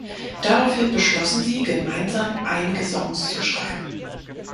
Daraufhin beschlossen sie, gemeinsam einige Songs zu schreiben.